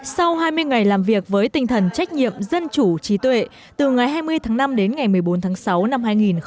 sau hai mươi ngày làm việc với tinh thần trách nhiệm dân chủ trí tuệ từ ngày hai mươi tháng năm đến ngày một mươi bốn tháng sáu năm hai nghìn một mươi chín